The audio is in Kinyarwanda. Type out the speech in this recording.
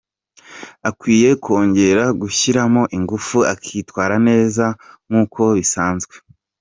Akwiye kongera gushyiramo ingufu akitwara neza nkuko bisanzwe“.